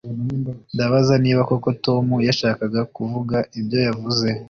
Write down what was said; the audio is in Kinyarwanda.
Ndabaza niba koko Tom yashakaga kuvuga ibyo yavuze